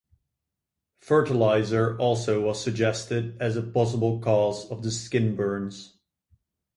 Fertilizer also was suggested as a possible cause of the skin burns.